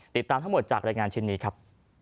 ติดตามทั้งหมดจากรายงานชิ้นนี้ครับ